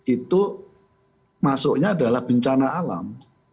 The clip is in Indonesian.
itu masuknya adalah bencana alam